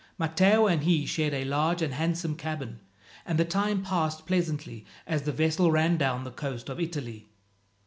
Matteo and he shared a large and handsome cabin, and the time passed pleasantly as the vessel ran down the coast of Italy.